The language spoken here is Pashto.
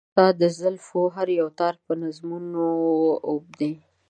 ستا د زلفو هر يو تار په نظمونو و اوبدي .